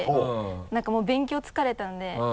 何かもう勉強疲れたんで。